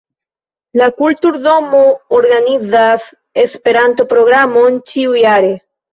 La kulturdomo organizas Esperanto-programon ĉiu-jare.